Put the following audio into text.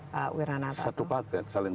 pak wiranata satu paket saling